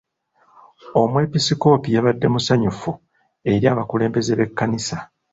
Omwepisikoopi yabadde musanyufu eri abakulembeze b'ekkanisa.